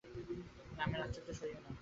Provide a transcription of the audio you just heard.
নাকের আচিলটা সরিয়ে নাও।